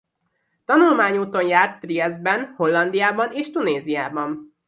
Tanulmányúton járt Triesztben Hollandiában és Tunéziában.